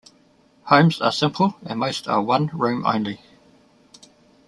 Homes are simple and most are one room only.